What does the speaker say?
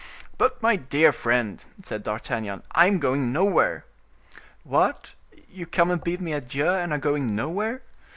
"But, my dear friend," said D'Artagnan, "I am going nowhere." "What! you come and bid me adieu, and are going nowhere?"